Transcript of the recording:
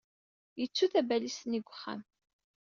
Yettu tabalizt-nni deg wexxam.